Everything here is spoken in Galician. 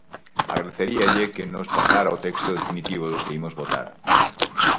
Agradeceríalle que nos pasara o texto definitivo do que imos votar.